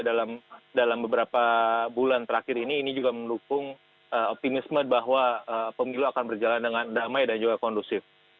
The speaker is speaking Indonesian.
dan dalam beberapa bulan terakhir ini ini juga mendukung optimisme bahwa pemilu akan berjalan dengan damai dan juga kondusif